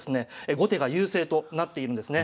後手が優勢となっているんですね。